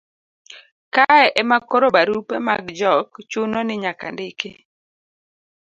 kae ema koro barupe mag jok chuno ni nyaka ndiki